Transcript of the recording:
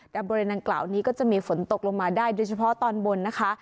แต่บริเวณดังกล่าวนี้ก็จะมีฝนตกลงมาได้โดยเฉพาะตอนบนนะคะ